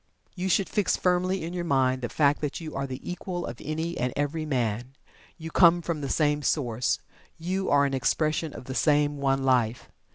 You should fix firmly in your mind the fact that you are the Equal of any and every man. You come from the same source. You are an expression of the same One Life.